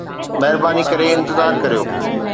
مهرباني ڪري انتظار ڪريو